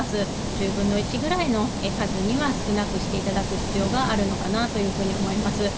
１０分の１ぐらいの数には、少なくしていただく必要があるのかなというふうには思います。